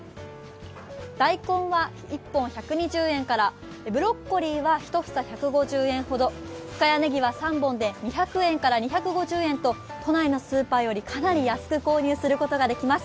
大根は１本１２０円からブロッコリーは１房１２０円ほど、深谷ねぎは３本で２５０円から２００円と、都内のスーパーより、かなり安く購入することができます。